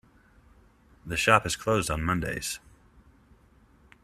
The shop is closed on Mondays.